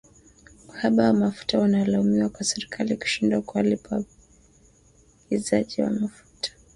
Uhaba wa mafuta unalaumiwa kwa serikali kushindwa kuwalipa waagizaji wa mafuta